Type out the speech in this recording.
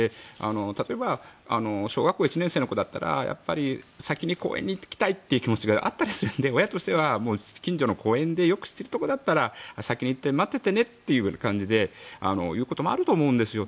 例えば小学校１年生の子だったら先に公園に行きたいって気持ちがあったりするので親としては近所の公園でよく知っているところだったら先に行って待っててねという感じで言うこともあると思うんですよ。